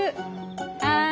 はい。